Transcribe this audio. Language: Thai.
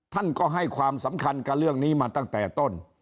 ท่านก็ให้ความสำคัญกับเรื่องนี้มาตั้งแต่ต้น